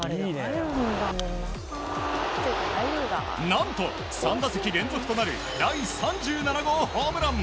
何と、３打席連続となる第３７号ホームラン。